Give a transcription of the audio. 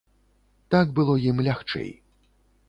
Так было ім лягчэй.